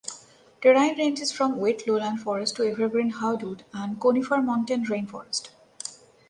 Terrain ranges from wet lowland forest to evergreen hardwood and conifer montane rain forest.